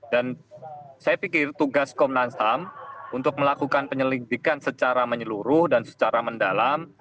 dan saya pikir tugas komnas ham untuk melakukan penyelidikan secara menyeluruh dan secara mendalam